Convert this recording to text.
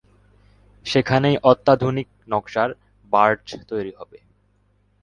সেখানেই অত্যাধুনিক নকশার বার্জ তৈরি হবে।